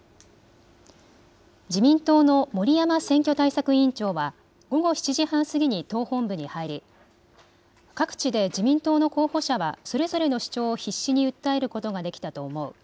自民党の森山選挙対策委員長は午後７時半過ぎに党本部に入り各地で自民党の候補者はそれぞれの主張を必死に訴えることができたと思う。